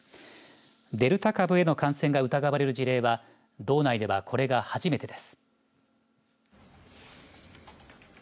デルタ株への感染が疑われる事例は道内ではこれが初めてです。